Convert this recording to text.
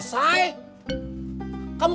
kamu kan bisa nunggu